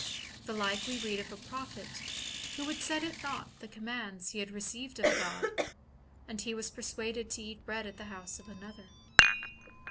The like we read of a prophet who would set at naught the com mands he had received of God, for he was persuaded to eat bread at the house of another..